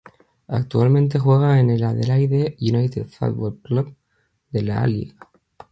Actualmente juega en el Adelaide United Football Club de la A-League.